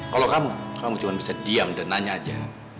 kalau kamu kamu cuma bisa diam dan nanya aja